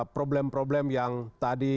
problem problem yang tadi